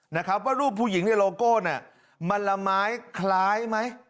นะครับว่ารูปผู้หญิงในโลโก้เนี่ยมันละไม้คล้ายไหม